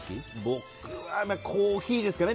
僕はコーヒーですかね。